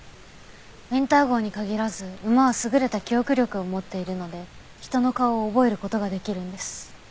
ウィンター号に限らず馬は優れた記憶力を持っているので人の顔を覚える事ができるんです。